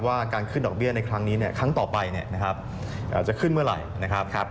ว่าการขึ้นดอกเบี้ยในครั้งนี้ครั้งต่อไปจะขึ้นเมื่อไหร่นะครับ